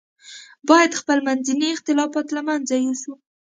باید خپل منځي اختلافات له منځه یوسو.